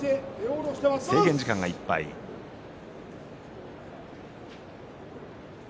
制限時間いっぱいです。